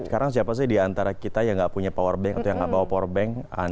karena siapa sih di antara kita yang tidak punya powerbank atau yang tidak bawa powerbank